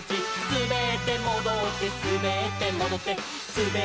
「すべってもどってすべってもどって」